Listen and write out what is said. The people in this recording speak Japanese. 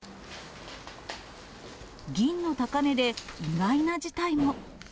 銀の高値で意外な事態も。